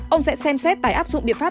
ông sẽ xem xét tải áp dụng biện pháp